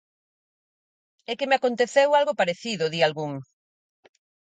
É que me aconteceu algo parecido... di algún.